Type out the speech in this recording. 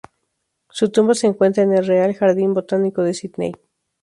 Su tumba se encuentra en el Real Jardín Botánico de Sídney.